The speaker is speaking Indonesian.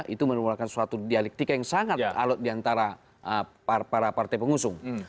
itu merupakan suatu dialektika yang sangat alot diantara para partai pengusung